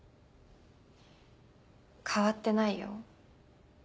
変わってないよ。